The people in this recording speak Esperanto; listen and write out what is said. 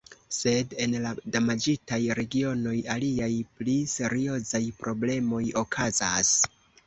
Sed en la damaĝitaj regionoj aliaj, pli seriozaj problemoj okazas.